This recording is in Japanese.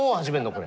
これ。